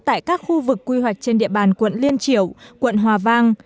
tại các khu vực quy hoạch trên địa bàn quận liên triểu quận hòa vang